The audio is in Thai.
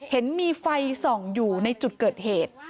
เห็นมีไฟส่องอยู่ในจุดเกิดเหตุ